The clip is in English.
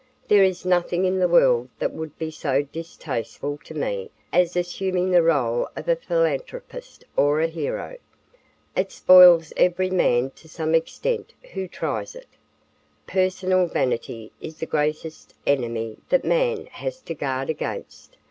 "There is nothing in the world that would be so distasteful to me as assuming the role of a philanthropist or a hero. It spoils every man to some extent who tries it. Personal vanity is the greatest enemy that man has to guard against.